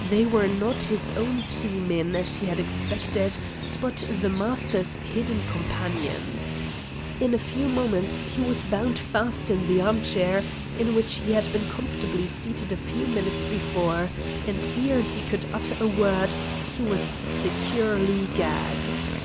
They were not his own seamen as he had expected, but the Master's hidden companions. In a few moments he was bound fast in the armchair in which he had been comfortably seated a few minutes before, and ere he could utter a word he was securely gagged.